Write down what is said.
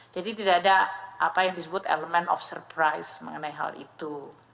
jadi tidak ada apa yang disebut elemen of surprise mengenai hal itu